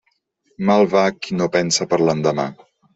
Mal va qui no pensa per l'endemà.